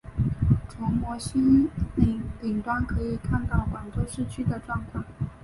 从摩星岭顶端可以看到广州市区的状况。